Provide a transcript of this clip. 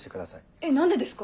えっ何でですか？